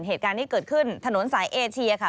เหตุการณ์นี้เกิดขึ้นถนนสายเอเชียค่ะ